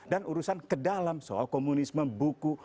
dan urusan ke dalam soal komunisme buku